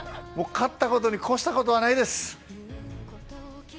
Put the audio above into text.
勝ったことに越したことはないです。